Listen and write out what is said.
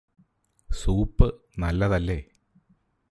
soup നല്ലതല്ലേ